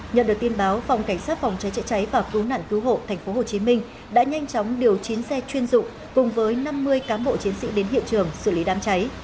nhận được tin báo phòng cảnh sát phòng cháy chữa cháy và cứu nạn cứu hộ tp hcm đã nhanh chóng điều chín xe chuyên dụng cùng với năm mươi cán bộ chiến sĩ đến hiện trường xử lý đám cháy